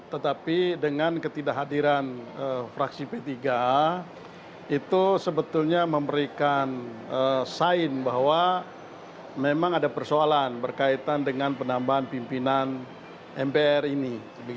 tetapi dengan ketidakhadiran fraksi p tiga itu sebetulnya memberikan sign bahwa memang ada persoalan berkaitan dengan penambahan pimpinan mpr ini